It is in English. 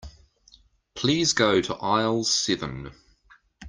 Please go to aisle seven.